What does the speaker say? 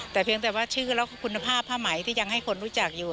แต่เพียงแต่ว่าชื่อแล้วคุณภาพผ้าไหมที่ยังให้คนรู้จักอยู่